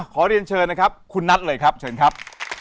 ขอเรียนเชิญนะครับคุณนัทเลยครับเชิญครับ